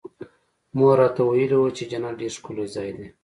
مور راته ويلي وو چې جنت ډېر ښکلى ځاى دى.